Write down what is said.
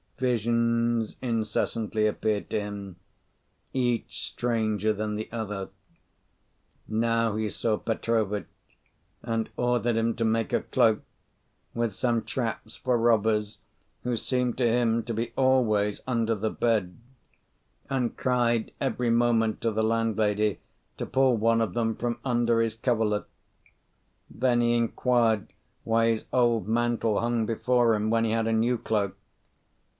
Visions incessantly appeared to him, each stranger than the other. Now he saw Petrovitch, and ordered him to make a cloak, with some traps for robbers, who seemed to him to be always under the bed; and cried every moment to the landlady to pull one of them from under his coverlet. Then he inquired why his old mantle hung before him when he had a new cloak.